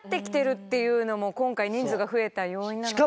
っていうのも今回人数が増えた要因なのかな？